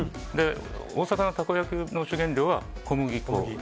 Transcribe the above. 大阪のたこ焼きの主原料は小麦粉。